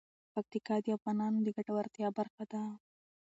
پکتیکا د افغانانو د ګټورتیا برخه ده.